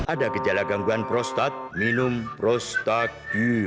ada gejala gangguan prostat minum prostagil